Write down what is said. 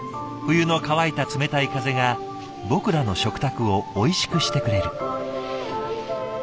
冬の乾いた冷たい風が僕らの食卓をおいしくしてくれる。